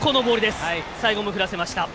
最後も振らせました。